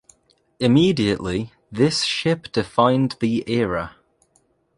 Immediately this ship defined the era.